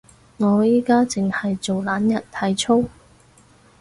我而家淨係做懶人體操